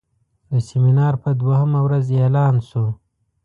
د سیمینار په دوهمه ورځ اعلان شو.